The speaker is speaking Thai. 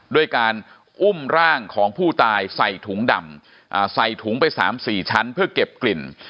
ด้วยการอุ้มร่างของผู้ตายใส่ถุงดำใส่ถุงไป๓๔ชั้นเพื่อเก็บกลิ่น